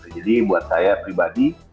jadi buat saya pribadi